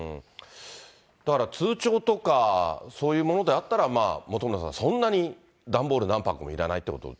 だから通帳とか、そういうものであったら、本村さん、そんなに段ボール何箱もいらないということに。